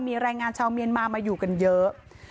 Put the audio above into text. มีแรงงานชาวเมียนมามาอยู่กันเยอะ